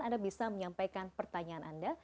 anda bisa menyampaikan pertanyaan anda